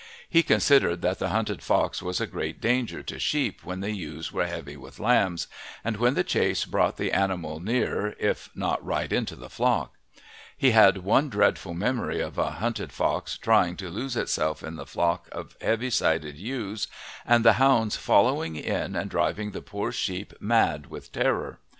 He considered that the hunted fox was a great danger to sheep when the ewes were heavy with lambs and when the chase brought the animal near if not right into the flock. He had one dreadful memory of a hunted fox trying to lose itself in his flock of heavy sided ewes and the hounds following it and driving the poor sheep mad with terror.